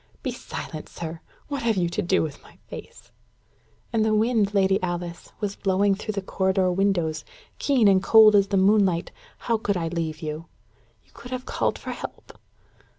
"Be silent, sir. What have you to do with my face?" "And the wind, Lady Alice, was blowing through the corridor windows, keen and cold as the moonlight. How could I leave you?" "You could have called for help."